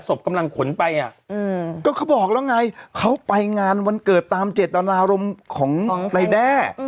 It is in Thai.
กำลังขนไปอ่ะก็เขาบอกแล้วไงเขาไปงานวันเกิดตามเจตนารมณ์ของนายแด้